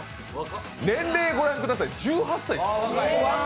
年齢御覧ください、１８歳です。